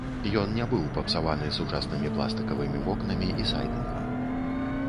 Ён не быў папсаваны сучаснымі пластыкавымі вокнамі і сайдынгам.